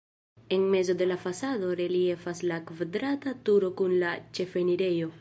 En mezo de la fasado reliefas la kvadrata turo kun la ĉefenirejo.